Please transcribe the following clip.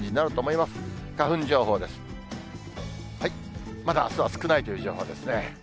まだあすは少ないという情報ですね。